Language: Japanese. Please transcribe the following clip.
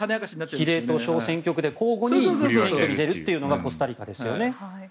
比例と小選挙で交互に選挙に出るというのがコスタリカですよね。